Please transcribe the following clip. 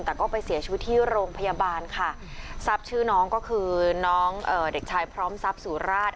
แต่ก็ไปเสียชีวิตที่โรงพยาบาลค่ะทรัพย์ชื่อน้องก็คือน้องเอ่อเด็กชายพร้อมทรัพย์สุราช